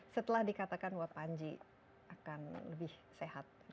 setelah dikatakan bahwa panji akan lebih sehat